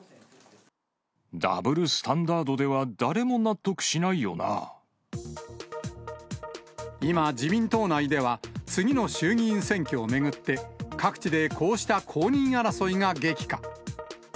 ダブルスタンダードでは誰も今、自民党内では次の衆議院選挙を巡って、各地でこうした公認争いが激化。